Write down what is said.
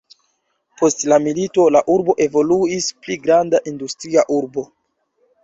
Post la milito la urbo evoluis pli granda industria urbo.